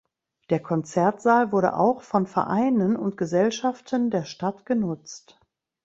Der Konzertsaal wurde auch von Vereinen und Gesellschaften der Stadt genutzt.